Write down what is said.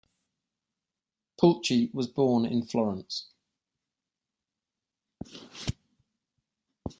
Pulci was born in Florence.